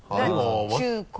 中・高。